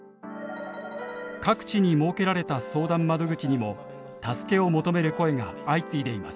各地に設けられた相談窓口にも助けを求める声が相次いでいます。